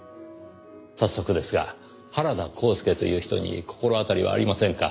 早速ですが原田幸助という人に心当たりはありませんか？